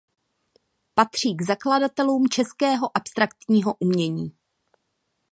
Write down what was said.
Patří k zakladatelům českého abstraktního umění.